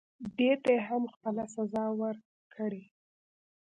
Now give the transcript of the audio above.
دې ته هم خپله سزا ورکړئ.